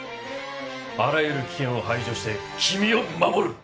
あらゆる危険を排除して君を守る！